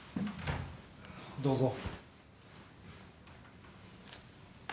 どうぞ。